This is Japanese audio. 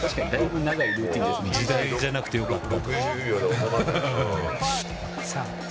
時代じゃなくてよかった。